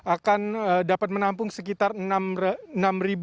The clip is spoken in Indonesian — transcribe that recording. akan dapat menampung sekitar enam ribu